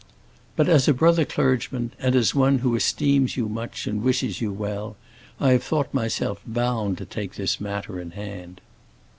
"But as a brother clergyman, and as one who esteems you much and wishes you well, I have thought myself bound to take this matter in hand."